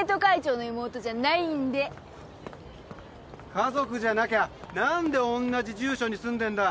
家族じゃなきゃ何でおんなじ住所に住んでんだ？